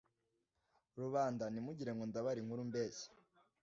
rubanda ntimugire ngo ndabara inkuru mbeshya